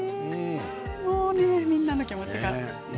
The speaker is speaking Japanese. もうね、みんなの気持ちが。